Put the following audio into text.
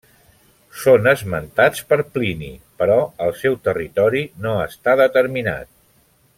Són esmentats per Plini, però el seu territori no està determinat.